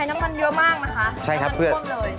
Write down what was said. อันนี้คือใช้น้ำมันเยอะมากนะคะ